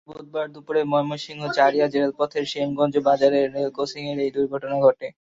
আজ বুধবার দুপুরে ময়মনসিংহ জারিয়া রেলপথের শ্যামগঞ্জ বাজারের রেলক্রসিংয়ে এই দুর্ঘটনা ঘটে।